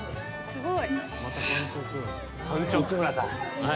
すごい。